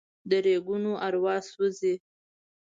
د ریګونو اروا سوزي